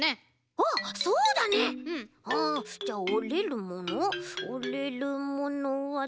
あじゃあおれるものおれるものはっと。